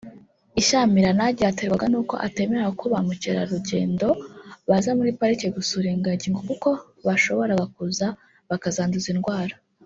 Ishyamirana ryaterwaga nuko atemeraga ko ba mkerarugendo baza muri pariki gusura ingagi ngo kuko bashoboraga kuza bakazanduza indwara